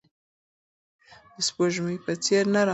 د سپوږمۍ په څیر نرم اوسئ.